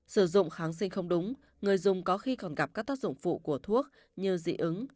sử dụng kháng sinh không đúng người dùng có khi còn gặp các tác dụng phụ của thuốc như dị ứng